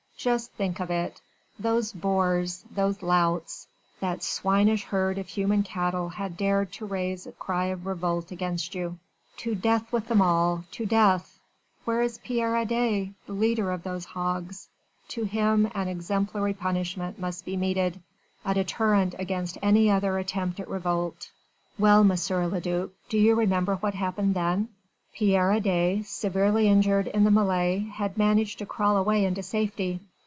Just think of it! those boors! those louts! that swinish herd of human cattle had dared to raise a cry of revolt against you! To death with them all! to death! Where is Pierre Adet, the leader of those hogs? to him an exemplary punishment must be meted! a deterrent against any other attempt at revolt. Well, M. le duc, do you remember what happened then? Pierre Adet, severely injured in the mêlée, had managed to crawl away into safety.